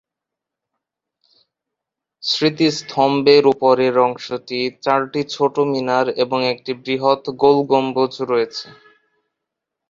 স্মৃতিস্তম্ভের উপরের অংশটি চারটি ছোট মিনার এবং একটি বৃহৎ গোল গম্বুজ রয়েছে।